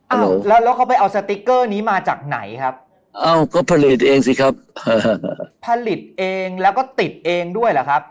แล้วแล้วเขาไปเอาสติ๊กเกอร์นี้มาจากไหนครับเอ้าก็ผลิตเองสิครับผลิตเองแล้วก็ติดเองด้วยเหรอครับ